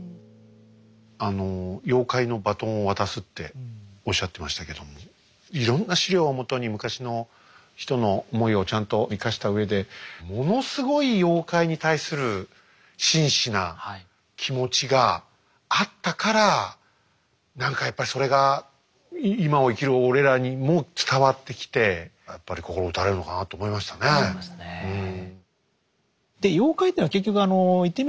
あの妖怪のバトンを渡すっておっしゃってましたけどもいろんな資料をもとに昔の人の思いをちゃんと生かしたうえでものすごい妖怪に対する真摯な気持ちがあったから何かやっぱりそれが今を生きる俺らにも伝わってきてやっぱり心打たれるのかなと思いましたねうん。